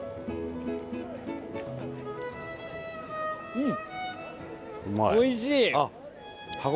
うん！